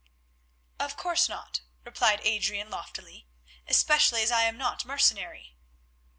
"Of course not," replied Adrian, loftily, "especially as I am not mercenary."